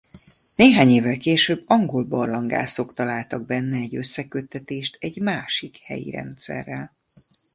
Néhány évvel később angol barlangászok találtak benne egy összeköttetést egy másik helyi rendszerrel.